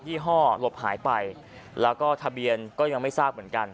ี่ห้อหลบหายไปแล้วก็ทะเบียนก็ยังไม่ทราบเหมือนกัน